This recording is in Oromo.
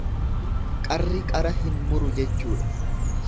Qarri qara hin muru jechuudha.